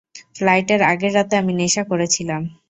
ফ্লাইটের আগের রাতে আমি নেশা করেছিলাম।